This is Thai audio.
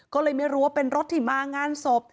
ก็เลยไม่รู้ว่าเป็นรถที่มางานศพ